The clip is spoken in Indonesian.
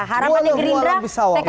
harapannya gerindra pkb bisa kembali lagi